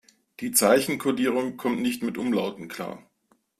Die Zeichenkodierung kommt nicht mit Umlauten klar.